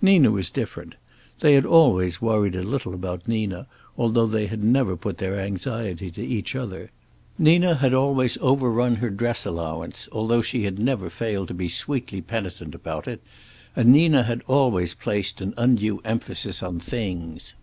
Nina was different. They had always worried a little about Nina, although they had never put their anxiety to each other. Nina had always overrun her dress allowance, although she had never failed to be sweetly penitent about it, and Nina had always placed an undue emphasis on things.